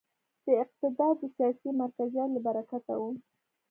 دا اقتدار د سیاسي مرکزیت له برکته و.